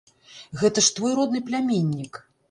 Гэта ж твой родны пляменнік!